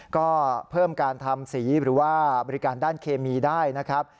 ก็เพิ่มการทำสีหรือว่าบริการด้านเคมีได้นะครับ